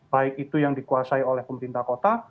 baik itu yang dikuasai oleh pemerintah kota